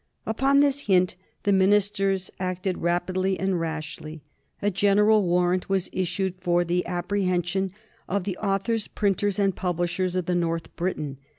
Upon this hint the ministers acted, rapidly and rashly. A general warrant was issued for the apprehension of the authors, printers, and publishers of the North Briton.